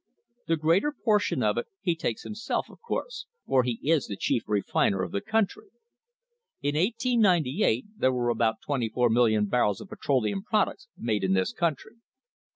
The greater portion of it he takes himself, of course, for he is the chief refiner of the country. In 1898 there were about twenty four million barrels of petroleum products made in this country.